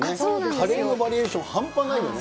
カレーのバリエーション、半端ないよね。